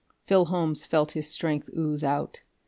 Phil Holmes felt his strength ooze out.